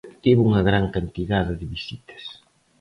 Tivo unha gran cantidade de visitas.